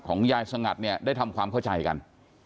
ของยายสงัตริย์ได้ทำความเข้าใจกัน